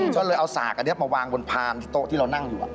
ก็เลยเอาสากอันนี้มาวางบนพานโต๊ะที่เรานั่งอยู่